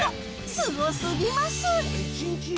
すごすぎます。